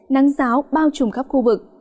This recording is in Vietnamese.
nắng giáo bao trùm khắp khu vực